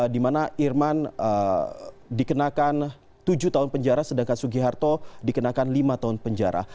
di mana irman dikenakan tujuh tahun penjara sedangkan sugiharto dikenakan lima tahun penjara